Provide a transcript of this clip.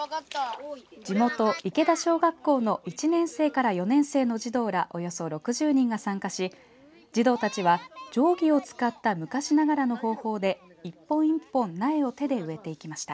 地元、池田小学校の１年生から４年生の児童らおよそ６０人が参加し児童たちは定規を使った昔ながらの方法で一本一本苗を手で植えていきました。